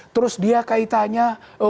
terus dia kaitannya